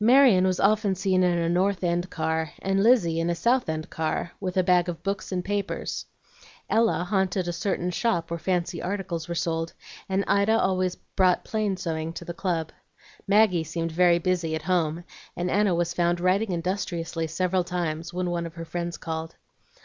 Marion was often seen in a North End car, and Lizzie in a South End car, with a bag of books and papers. Ella haunted a certain shop where fancy articles were sold, and Ida always brought plain sewing to the club. Maggie seemed very busy at home, and Anna was found writing industriously several times when one of her friends called.